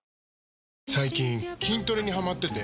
最近筋トレにハマってて。